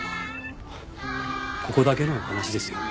ここだけの話ですよ。